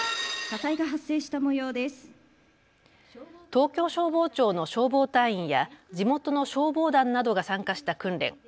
東京消防庁の消防隊員や地元の消防団などが参加した訓練。